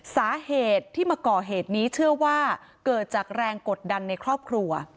สาเหตุที่มาก่อเหตุนี้เชื่อว่าเกิดจากแรงกดดันในครอบครัว